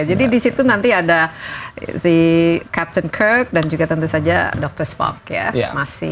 jadi disitu nanti ada si captain kirk dan juga tentu saja dr spock ya